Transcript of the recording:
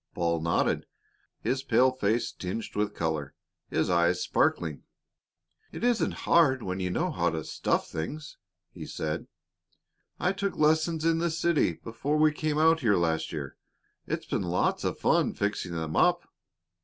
Paul nodded, his pale face tinged with color, his eyes sparkling. "It isn't hard when you know how to stuff things," he said. "I took lessons in the city before we came out here last year. It's been lots of fun fixing them up."